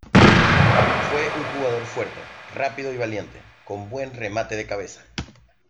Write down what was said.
Fue un jugador fuerte, rápido y valiente, con buen remate de cabeza.